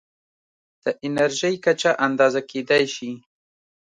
د انرژۍ کچه اندازه کېدای شي.